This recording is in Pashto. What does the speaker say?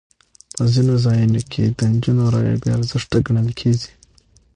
په ځینو ځایونو کې د نجونو رایه بې ارزښته ګڼل کېږي.